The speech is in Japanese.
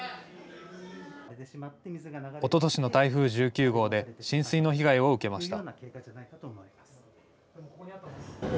おととしの台風１９号で浸水の被害を受けました。